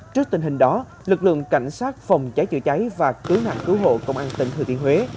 trước tình hình đó lực lượng cảnh sát phòng cháy chữa cháy và cứu nạn cứu hộ công an tỉnh thừa thiên huế